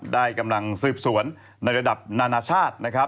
ได้กำลังสืบสวนในระดับนานาชาตินะครับ